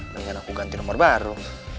mendingan aku ganti nomor baru